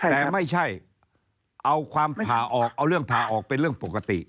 แต่ไม่ใช่เอาความผ่าออกเอาเรื่องผ่าออกเป็นเรื่องปกติ